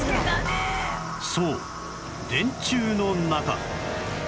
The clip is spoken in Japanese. そう電柱の中